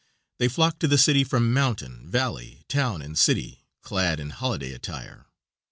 They flock to the city from mountain, valley, town, and city, clad in holiday attire.